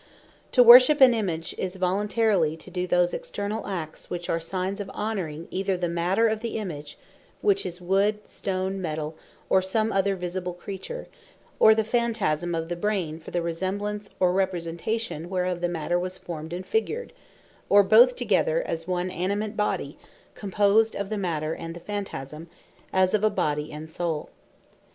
To worship an Image, is voluntarily to doe those externall acts, which are signes of honoring either the matter of the Image, which is Wood, Stone, or Metall, or some other visible creature; or the Phantasme of the brain, for the resemblance, or representation whereof, the matter was formed and figured; or both together, as one animate Body, composed of the Matter and the Phantasme, as of a Body and Soule.